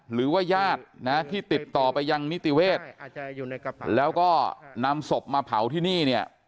หรือว่ายาดที่ติดต่อไปยังนิติเวศแล้วก็นำสบมาเผาที่นี่